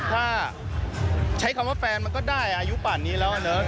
ถ้าใช้คำว่าแฟนมันก็ได้อายุป่านนี้แล้วเนอะ